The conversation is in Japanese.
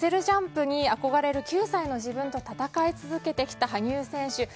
ジャンプに憧れる９歳の自分と戦い続けてきた羽生選手。